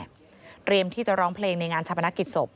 เตรียมที่จะร้องเพลงในงานชาปนกิจศพ